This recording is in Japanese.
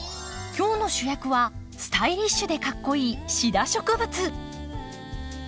今日の主役はスタイリッシュでかっこいいシダ植物。